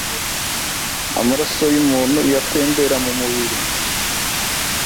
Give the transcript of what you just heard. Amaraso y’umuntu iyo atembera mu mubiri,